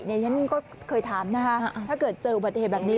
ฉันก็เคยถามนะคะถ้าเกิดเจออุบัติเหตุแบบนี้